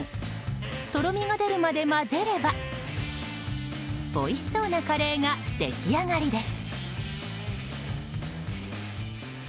とろみが出るまで混ぜればおいしそうなカレーが出来上がりです。